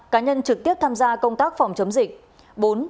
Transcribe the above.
cá nhân trực tiếp tham gia công tác phòng chống dịch